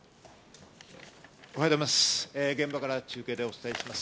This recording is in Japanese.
おはようございます。